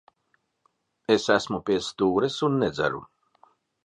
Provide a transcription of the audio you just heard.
Es esmu pie stūres un nedzeru.